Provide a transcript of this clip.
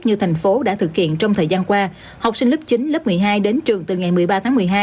như thành phố đã thực hiện trong thời gian qua học sinh lớp chín lớp một mươi hai đến trường từ ngày một mươi ba tháng một mươi hai